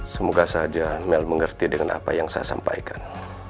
semoga saja amel mengerti dengan apa yang saya sampaikan